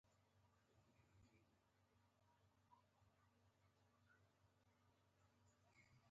نن بیا ډېره درنه واوره ورېږي.